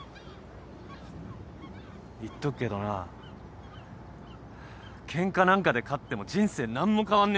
言っとくけどなケンカなんかで勝っても人生何も変わんねえぞ。